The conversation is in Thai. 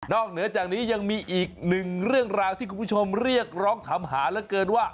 เหนือจากนี้ยังมีอีกหนึ่งเรื่องราวที่คุณผู้ชมเรียกร้องถามหาเหลือเกินว่า